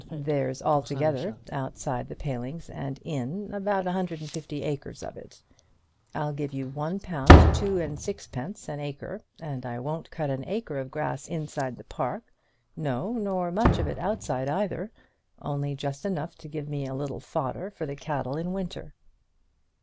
"There's altogether, outside the palings and in, about a hundred and fifty acres of it. I'll give you one pound two and sixpence an acre, and I won't cut an acre of grass inside the park; no, nor much of it outside either; only just enough to give me a little fodder for the cattle in winter."